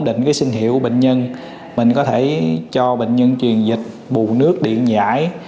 định cái sinh hiệu của bệnh nhân mình có thể cho bệnh nhân truyền dịch buồn nước điện giải